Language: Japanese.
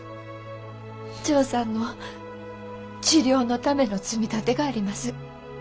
ジョーさんの治療のための積み立てがあります。